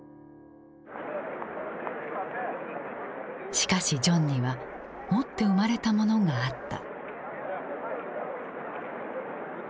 しかしジョンには持って生まれたものがあった。